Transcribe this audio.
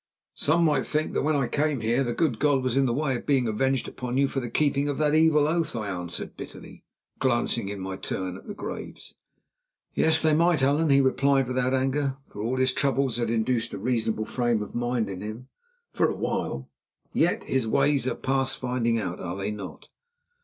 "Some might think that when I came here the good God was in the way of being avenged upon you for the keeping of that evil oath," I answered bitterly, glancing, in my turn, at the graves. "Yes, they might, Allan," he replied without anger, for all his troubles had induced a reasonable frame of mind in him—for a while. "Yet, His ways are past finding out, are they not?"